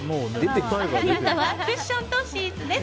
ヒントはクッションとシーツです。